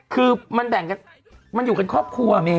คือมันแบ่งกันมันอยู่กันครอบครัวเม